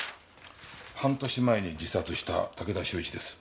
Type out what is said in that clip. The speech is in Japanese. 半年前に自殺した武田修一です。